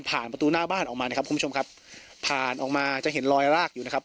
ประตูหน้าบ้านออกมานะครับคุณผู้ชมครับผ่านออกมาจะเห็นลอยรากอยู่นะครับ